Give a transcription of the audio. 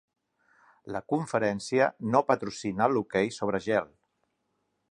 La conferència no patrocina l'hoquei sobre gel.